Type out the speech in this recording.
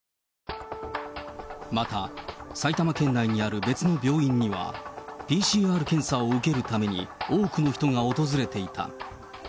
また、埼玉県内にある別の病院には、ＰＣＲ検査を受けるために多くの人が訪れていた。